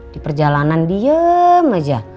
di perjalanan diem aja